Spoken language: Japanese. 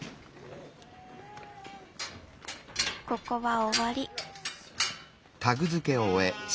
ここはおわり。